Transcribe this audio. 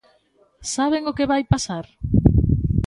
¿Saben o que vai pasar?